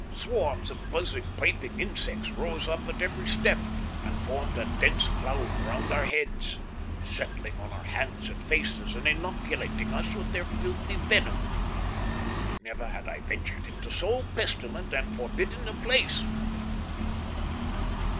Swarms of buzzing, piping insects rose up at every step and formed a dense cloud around our heads, settling on our hands and faces and inoculating us with their filthy venom. Never had I ventured into so pestilent and forbidding a place.